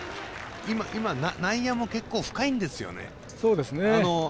今、内野も結構深いんですよね。